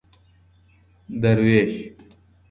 دروېش